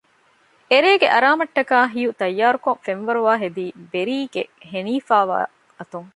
އެރޭގެ އަރާމަށް ޓަކައި ހިޔު ތައްޔާރުކޮށް ފެންވަރުވާ ހެދީ ބެރީ ގެ ހޭނިފައިވާ އަތުން